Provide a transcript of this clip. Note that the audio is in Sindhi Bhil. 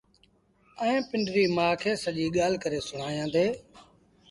ائيٚݩ پنڊريٚ مآ کي سڄيٚ ڳآل ڪري سُڻآيآݩدي